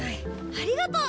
ありがとう！